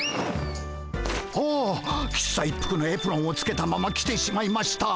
ああ喫茶一服のエプロンをつけたまま来てしまいました。